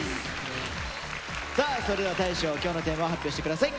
さあそれでは大昇今日のテーマを発表して下さい。